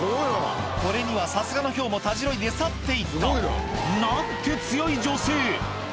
これにはさすがのヒョウもたじろいで去って行ったなんて強い女性